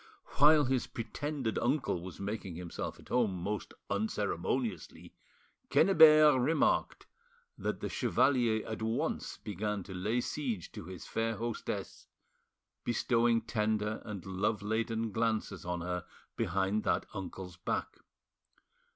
While his pretended uncle was making himself at home most unceremoniously, Quennebert remarked that the chevalier at once began to lay siege to his fair hostess, bestowing tender and love laden glances on her behind that uncle's back.